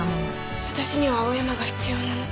わたしには青山が必要なの。